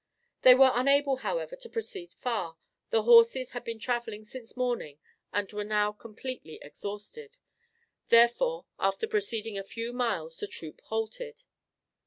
They were unable, however, to proceed far; the horses had been travelling since morning and were now completely exhausted; therefore, after proceeding a few miles the troop halted.